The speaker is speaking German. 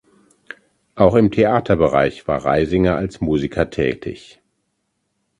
Auch im Theaterbereich war Reisinger als Musiker tätig.